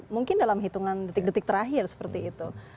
mungkin dalam hitungan detik detik terakhir seperti itu